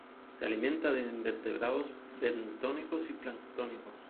Se alimenta de invertebrados bentónicos y planctónicos.